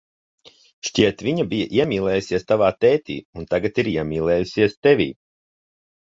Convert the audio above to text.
Šķiet, viņa bija iemīlējusies tavā tētī un tagad ir iemīlējusies tevī.